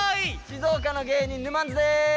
静岡の芸人ぬまんづです。